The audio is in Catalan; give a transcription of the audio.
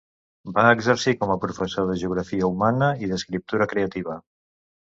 Va exercir com a professor de Geografia Humana i d'escriptura creativa.